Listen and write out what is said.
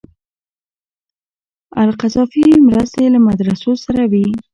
القذافي مرستې له مدرسو سره وې.